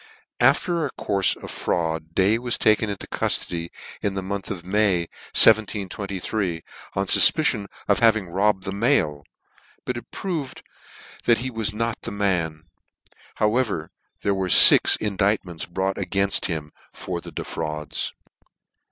After a courie of fraud Day was taken into cuilody in the month of May, 1723, on fufpicion of his having robbed the mail ; but it proved that he was not the man: however, there were fix in dictments brought againft him for the defrauds.